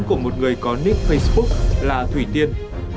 của một người có nick facebook là thủy tiên